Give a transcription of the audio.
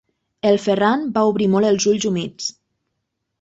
El Ferran va obrir molt els ulls humits.